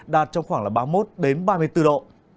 đạt trong khoảng ba mươi một ba mươi bốn độ